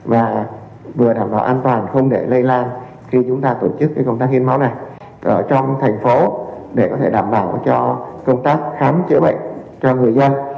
và vừa đảm bảo an toàn không để lây lan khi chúng ta tổ chức công tác hiến máu này ở trong thành phố để có thể đảm bảo cho công tác khám chữa bệnh cho người dân